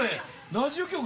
ラジオ局？